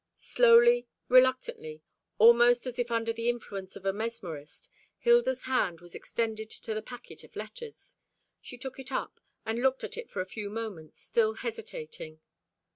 Slowly, reluctantly, almost as if under the influence of a mesmerist, Hilda's hand was extended to the packet of letters. She took it up, and looked at it for a few moments, still hesitating.